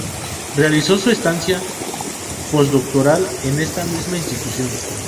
Realizó su estancia postdoctoral en esta misma institución.